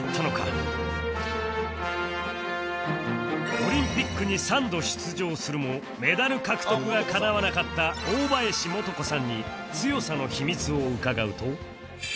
オリンピックに３度出場するもメダル獲得はかなわなかった大林素子さんに強さの秘密を伺うと